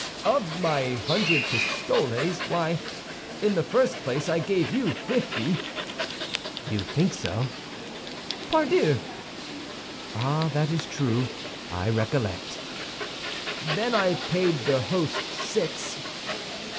"Of my hundred pistoles? Why, in the first place I gave you fifty." "You think so?" "Pardieu!" "Ah, that is true. I recollect." "Then I paid the host six."